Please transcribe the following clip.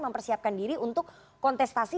mempersiapkan diri untuk kontestasi